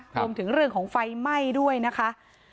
รวมถึงเรื่องของไฟไหม้ด้วยนะคะ